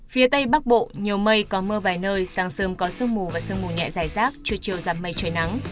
phía tây bắc bộ nhiều mây có mưa vài nơi sáng sớm có sương mù và sương mù nhẹ dài rác trưa chiều giảm mây trời nắng